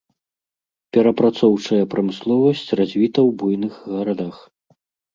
Перапрацоўчая прамысловасць развіта ў буйных гарадах.